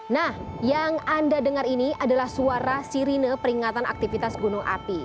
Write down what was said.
nah yang anda dengar ini adalah suara sirine peringatan aktivitas gunung api